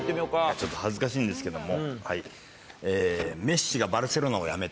ちょっと恥ずかしいんですけども。